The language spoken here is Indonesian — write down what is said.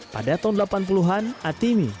pada tahun delapan puluh an atimi